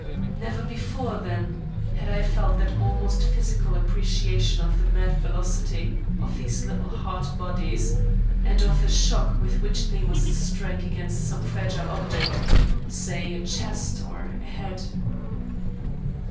Never before, then, had I felt that almost physical appreciation of the mad velocity of these little hard bodies, and of the shock with which they must strike against some fragile object, say a chest or a head.